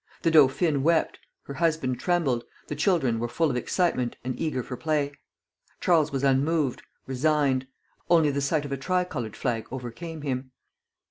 The dauphine wept, her husband trembled, the children were full of excitement and eager for play. Charles was unmoved, resigned; only the sight of a tricolored flag overcame him.